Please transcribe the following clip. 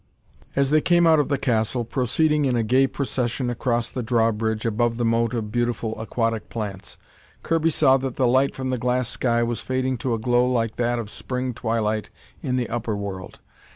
As they came out of the castle, proceeding in a gay procession across the drawbridge above the moat of beautiful aquatic plants, Kirby saw that the light from the glass sky was fading to a glow like that of spring twilight in the upper world.